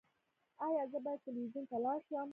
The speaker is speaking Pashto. ایا زه باید تلویزیون ته لاړ شم؟